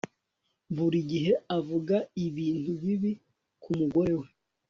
Buri gihe avuga ibintu bibi ku mugore we